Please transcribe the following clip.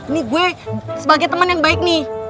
nih gue sebagai temen yang baik nih